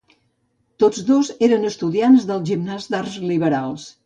Tots dos eren estudiants del Gimnàs d'arts liberals.